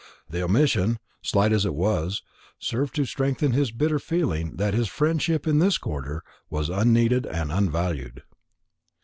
The omission, slight as it was, served to strengthen his bitter feeling that his friendship in this quarter was unneeded and unvalued.